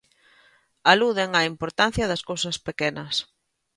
Aluden á importancia das cousas pequenas.